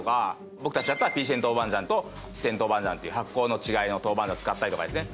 僕たちだったらピーシェン豆板醤と四川豆板醤という発酵の違いの豆板醤を使ったりとかですね。